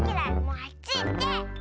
もうあっちいって！